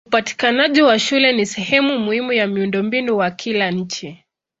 Upatikanaji wa shule ni sehemu muhimu ya miundombinu wa kila nchi.